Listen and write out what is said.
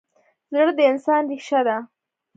زړه د انسان ریښه ده.